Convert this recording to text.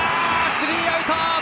スリーアウト！